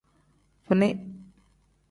Fini.